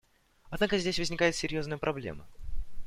Однако здесь возникает серьезная проблема.